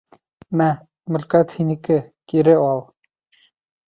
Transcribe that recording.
— Мә, мөлкәт һинеке, кире ал!